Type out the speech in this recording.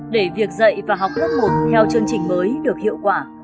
để việc dạy và học lớp một theo chương trình mới được hiệu quả